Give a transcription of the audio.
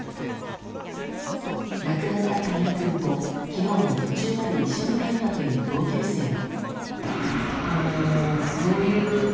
亡くなった谷井君と昨日も途中まで一緒に帰ったという同級生は。